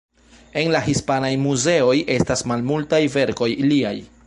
En la hispanaj muzeoj estas malmultaj verkoj liaj.